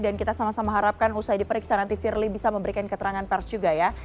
kita sama sama harapkan usai diperiksa nanti firly bisa memberikan keterangan pers juga ya